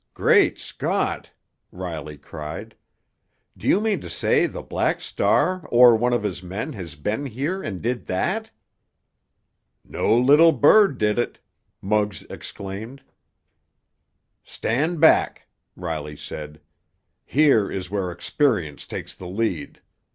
"Great Scott!" Riley cried. "Do you mean to say the Black Star or one of his men has been here and did that?" "No little bird did it!" Muggs exclaimed. "Stand back!" Riley said. "Here is where experience takes the lead.